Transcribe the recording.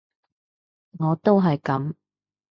我都係噉